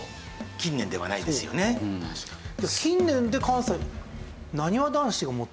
近年で関西。